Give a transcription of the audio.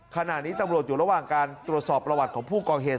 ขณะนี้ตำรวจอยู่ระหว่างการตรวจสอบประวัติของผู้ก่อเหตุ